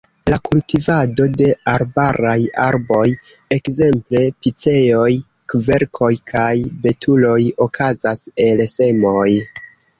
La kultivado de arbaraj arboj, ekzemple piceoj, kverkoj kaj betuloj, okazas el semoj.